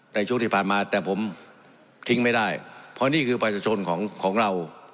ในช่วงที่ผ่านมาแต่ผมทิ้งไม่ได้เพราะนี่คือประชาชนของของเรา